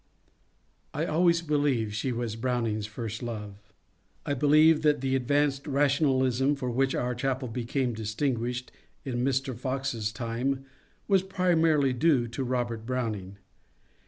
I always believe she was Browning's first love. I believe that the advanced rationalism for which our chapel became distinguished in Mr. Fox's time was primarily due to Robert Browning.